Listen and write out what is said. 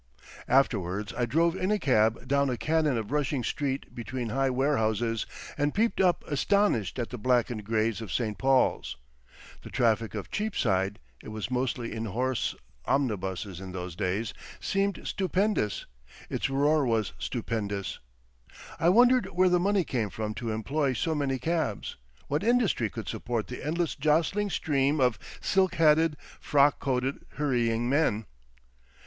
Afterwards I drove in a cab down a canon of rushing street between high warehouses, and peeped up astonished at the blackened greys of Saint Paul's. The traffic of Cheapside—it was mostly in horse omnibuses in those days—seemed stupendous, its roar was stupendous; I wondered where the money came from to employ so many cabs, what industry could support the endless jostling stream of silk hatted, frock coated, hurrying men.